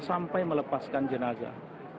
sampai melepaskan jenazah